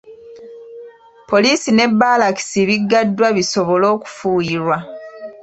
Poliisi ne Bbaalakisi biggaddwa bisobole okufuuyirwa.